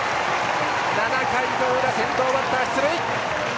７回の裏、先頭バッター出塁！